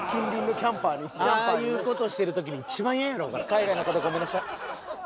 海外の方ごめんなさい。